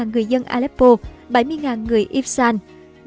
hai mươi người dân aleppo bảy mươi người yves saint